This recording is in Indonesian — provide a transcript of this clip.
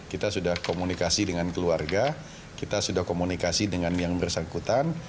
kita sudah komunikasi dengan keluarga kita sudah komunikasi dengan yang bersangkutan